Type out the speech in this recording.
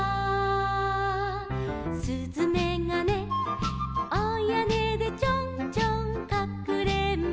「すずめがねお屋根でちょんちょんかくれんぼ」